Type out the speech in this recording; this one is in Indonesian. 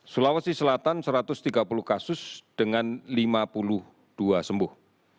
sulawesi selatan satu ratus tiga puluh kasus dengan lima puluh dua sembuh